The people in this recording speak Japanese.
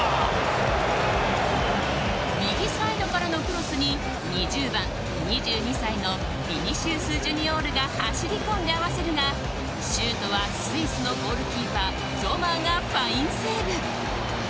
右サイドからのクロスに２０番、２２歳のヴィニシウス・ジュニオールが走り込んで合わせるがシュートはスイスのゴールキーパーゾマーがファインセーブ。